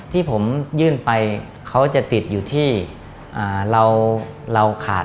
ที่ผมยื่นไปเขาจะติดอยู่ที่เราขาด